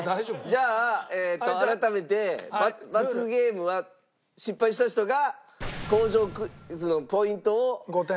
じゃあ改めて罰ゲームは失敗した人が工場クイズのポイントを。